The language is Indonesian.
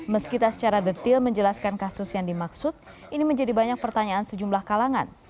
meskipun secara detail menjelaskan kasus yang dimaksud ini menjadi banyak pertanyaan sejumlah kalangan